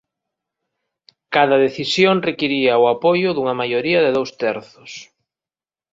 Cada decisión requiría o apoio dunha maioría de dous terzos.